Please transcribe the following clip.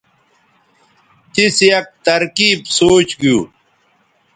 تِیس یک ترکیب سوچ گِیُو